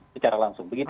secara langsung begitu